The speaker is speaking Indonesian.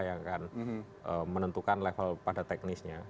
yang akan menentukan level pada teknisnya